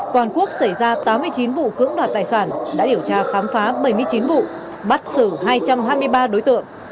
toàn quốc xảy ra tám mươi chín vụ cưỡng đoạt tài sản đã điều tra khám phá bảy mươi chín vụ bắt xử hai trăm hai mươi ba đối tượng